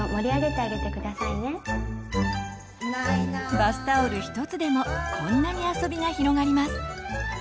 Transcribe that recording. バスタオル一つでもこんなにあそびが広がります。